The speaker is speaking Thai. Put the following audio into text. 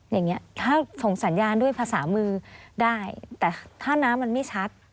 อย่างนี้ถ้าส่งสัญญาณด้วยภาษามือได้แต่ถ้าน้ำมันไม่ชัด